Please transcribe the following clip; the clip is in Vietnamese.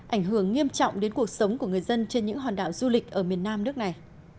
ảnh hưởng nghiêm trọng đến cuộc sống của người dân trên những hòn đảo du lịch ở miền nam nước này